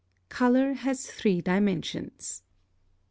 +Color has three dimensions.